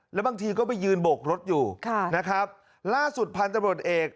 แล้วบางทีก็ไปยืนโบกรถอยู่ค่ะนะครับล่าสุดพันธบรวจเอก